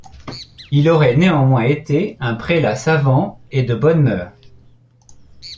Il aurait néanmoins été un prélat savant et de bonnes mœurs.